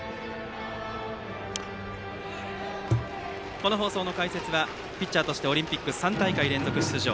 この放送の解説はピッチャーとしてオリンピック３大会連続出場